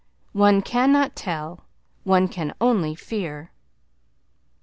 One cannot tell, one can only fear.